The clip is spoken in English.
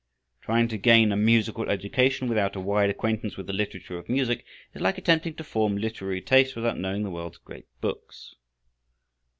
Trying to gain a musical education without a wide acquaintance with the literature of music is like attempting to form literary taste without knowing the world's great books.